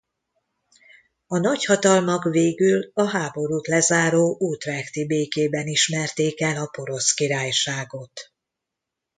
A nagyhatalmak végül a háborút lezáró utrechti békében ismerték el a Porosz Királyságot.